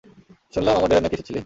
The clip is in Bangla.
শুনলাম আমার ডেরায় নাকি এসেছিলি।